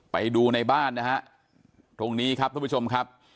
ไปดูในบ้านนะฮะตรงนี้ครับท่านผู้ชมครับ